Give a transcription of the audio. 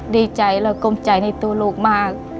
ดีใจและก้มใจในตัวลูกมาก